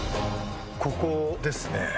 ここですね。